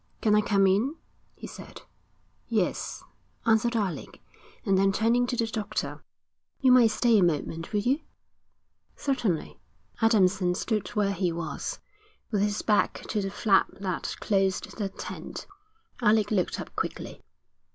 'Can I come in?' he said. 'Yes,' answered Alec, and then turning to the doctor: 'You might stay a moment, will you?' 'Certainly.' Adamson stood where he was, with his back to the flap that closed the tent. Alec looked up quickly.